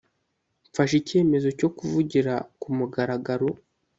Mfashe icyemezo cyo kuvugira ku mugaragaro